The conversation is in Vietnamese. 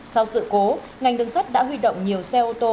sau sự cố ngành đường sắt đã huy động nhiều xe ô tô